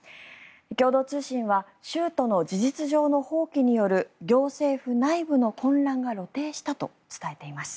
共同通信は州都の事実上の放棄による行政府内部の混乱が露呈したと伝えています。